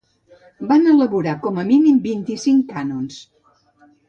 Van elaborar com a mínim vint-i-cinc cànons